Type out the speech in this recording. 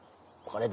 これ。